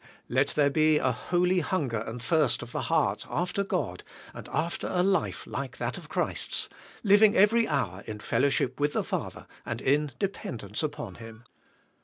Let there be a holy hunger and thirst of the heart after God and after a life like that of Christ's, living every hour in fellowship with the Father, and in dependence upon Him.